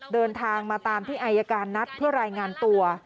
เดินทางมาตามที่อายการนัดเพื่อรายงานตัว